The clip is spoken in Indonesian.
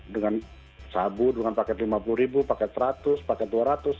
dengan sabu dengan paket rp lima puluh ribu paket seratus paket dua ratus